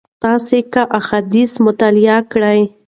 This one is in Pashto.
تاسي که احاديث مطالعه کړئ